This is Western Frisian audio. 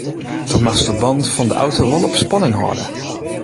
Do moatst de bannen fan de auto wol op spanning hâlde.